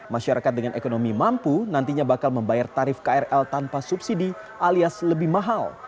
masyarakat dengan ekonomi mampu nantinya bakal membayar tarif krl tanpa subsidi alias lebih mahal